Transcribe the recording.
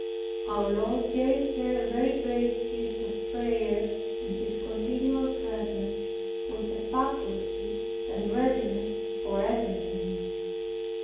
Our Lord gave her a very great gift of prayer and His continual presence, with a faculty and readiness for everything.